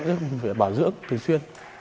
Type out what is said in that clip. mình phải bảo dưỡng thường xuyên